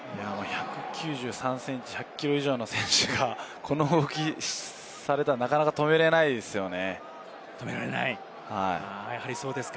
１９３ｃｍ１００ｋｇ以上の選手がこの動きをされたら、なかなか止められないですよね。